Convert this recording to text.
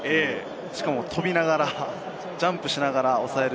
しかも飛びながらジャンプしながら抑える。